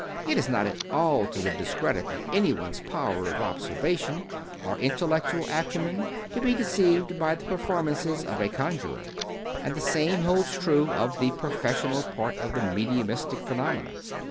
It is not at all to the discredit of anyone's powers of observation or intellectual acumen to be deceived by the performances of a conjurer; and the same holds true of the professional part of mediumistic phenomena.